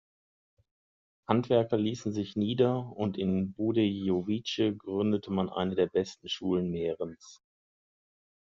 Handwerker ließen sich nieder, und in Budějovice gründete man eine der besten Schulen Mährens.